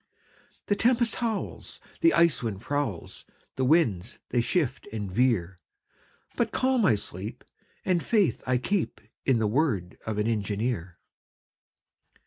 The tempest howls, The Ice Wolf prowls, The winds they shift and veer, But calm I sleep, And faith I keep In the word of an engineer.